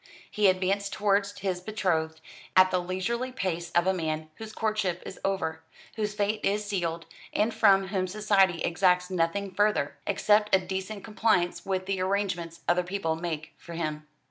He advanced towards his betrothed at the leisurely pace of a man whose courtship is over, whose fate is sealed, and from whom society exacts nothing further, except a decent compliance with the arrangements other people make for him.